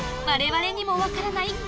我々にも分からない